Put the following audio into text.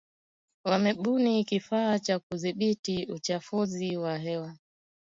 Wamebuni kifaa cha kudhibiti uchafuzi wa hewa